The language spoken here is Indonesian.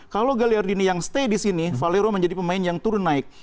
kalau galiardini yang stay di sini valero menjadi pemain yang turun naik